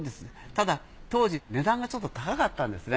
ただ当時値段がちょっと高かったんですね。